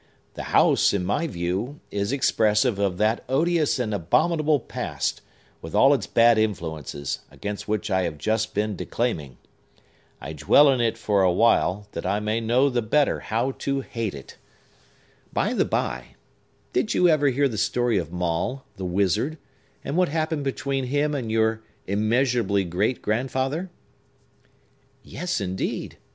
"The house, in my view, is expressive of that odious and abominable Past, with all its bad influences, against which I have just been declaiming. I dwell in it for a while, that I may know the better how to hate it. By the bye, did you ever hear the story of Maule, the wizard, and what happened between him and your immeasurably great grandfather?" "Yes, indeed!"